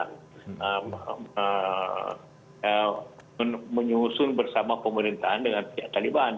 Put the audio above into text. kita menyusun bersama pemerintahan dengan pihak taliban